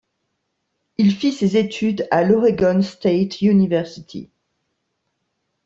Il fit ses études à l'Oregon State University.